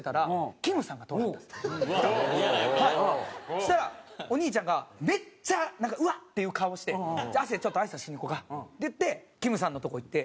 そしたらお兄ちゃんがめっちゃなんかうわっ！っていう顔をして「亜生ちょっと挨拶しにいこうか」って言ってきむさんのとこ行って。